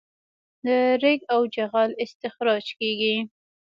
د ریګ او جغل استخراج کیږي